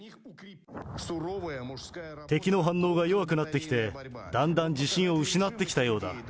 敵の反応が弱くなってきて、だんだん自信を失ってきたようだ。